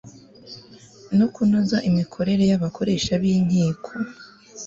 no kunoza imikorere y'abakoresha b' inkiko